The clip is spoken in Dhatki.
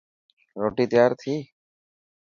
روتي تيار ٿي.